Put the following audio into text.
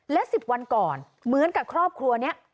และ๑๐วันก่อนเหมือนกับครอบครัวนี้